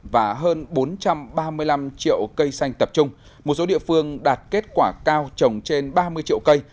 và hơn bốn trăm ba mươi năm triệu cây xanh tập trung một số địa phương đạt kết quả cao trồng trên ba mươi triệu cây